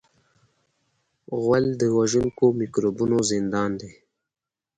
غول د وژونکو میکروبونو زندان دی.